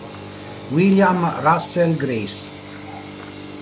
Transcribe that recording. William Russell Grace